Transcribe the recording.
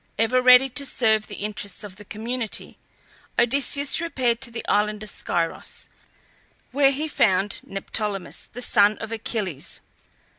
Ever ready to serve the interests of the community, Odysseus repaired to the island of Scyros, where he found Neoptolemus, the son of Achilles.